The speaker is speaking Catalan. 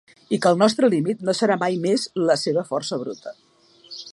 I que el nostre límit no serà mai més la seva força bruta.